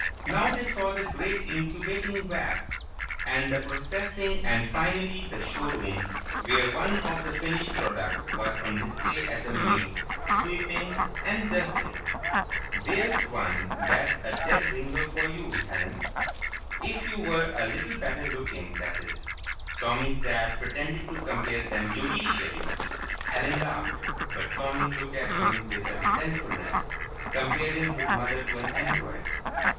Now they saw the great incubating vats, and the processing and finally the showroom where one of the finished products was on display as a maid, sweeping and dusting. "There's one that's a dead ringer for you, Helen. If you were a little better looking, that is." Tommy's dad pretended to compare them judicially. Helen laughed, but Tommy looked at him with a resentfulness. Comparing his mother to an Android....